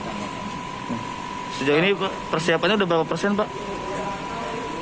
sejauh ini persiapannya sudah berapa persen pak